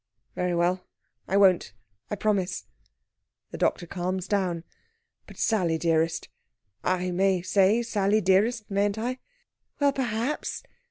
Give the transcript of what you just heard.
"Very well, I won't. I promise!" The doctor calms down. "But, Sally dearest I may say Sally dearest, mayn't I?..." "Well, perhaps.